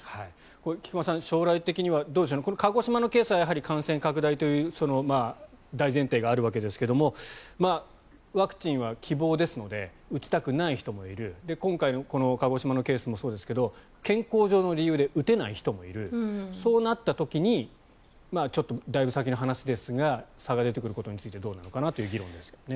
菊間さん、将来的にはこの鹿児島のケースは感染拡大という大前提があるわけですがワクチンは希望ですので打ちたくない人もいる今回のこの鹿児島のケースもそうですが健康上の理由で打てない人もいるそうなった時にちょっとだいぶ先の話ですが差が出てくることについてどうなのかという議論です。